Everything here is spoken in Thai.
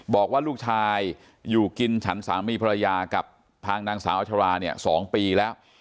บอกว่าลูกชายอยู่กินฉันสามีภรรยากับทางนางสาวอัชราเนี่ย๒ปีแล้ว